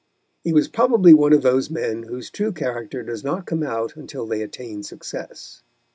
He was probably one of those men whose true character does not come out until they attain success.